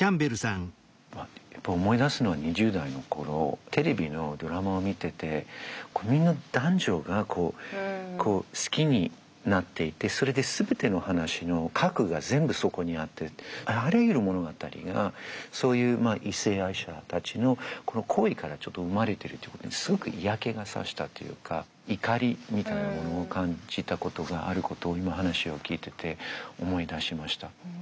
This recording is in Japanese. やっぱ思い出すのは２０代の頃テレビのドラマを見ててみんな男女がこう好きになっていてそれで全ての話の核が全部そこにあってあらゆる物語がそういう異性愛者たちの行為からちょっと生まれてるってことにすごく嫌気が差したというか怒りみたいなものを感じたことがあることを今話を聞いてて思い出しました。